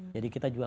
jadi kita juga